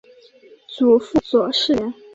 祖父左世杰。